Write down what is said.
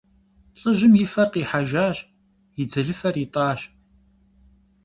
Лӏыжьым и фэр къихьэжащ, и дзэлыфэр итӀащ.